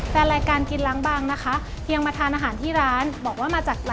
แบบเป็นกันเองสไตล์ครอบครัวพี่ยาวะนะคะ